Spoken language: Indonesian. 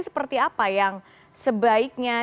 seperti apa yang sebaiknya